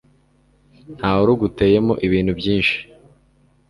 ntawuruguteyemo ibintu byinshi